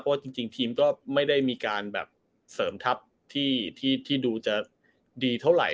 เพราะว่าจริงทีมก็ไม่ได้มีการแบบเสริมทัพที่ดูจะดีเท่าไหร่